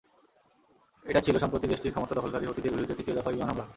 এটা ছিল সম্প্রতি দেশটির ক্ষমতা দখলকারী হুতিদের বিরুদ্ধে তৃতীয় দফা বিমান হামলা।